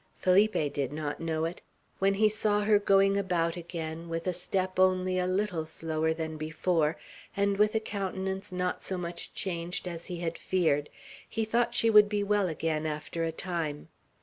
Felipe did not know it. When he saw her going about again, with a step only a little slower than before, and with a countenance not so much changed as he had feared, he thought she would be well again, after a time.